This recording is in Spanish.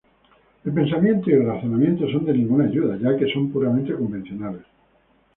El pensamiento y el razonamiento son de ninguna ayuda, ya que son puramente convencionales.